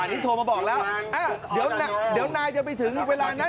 นี่โทรมาบอกแล้วเดี๋ยวนายจะไปถึงเวลานั้น